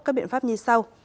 các biện pháp như sau